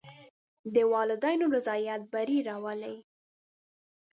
د والدینو رضایت بری راولي.